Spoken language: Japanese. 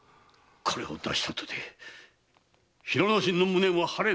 これを出したとて広之進の無念は晴れん！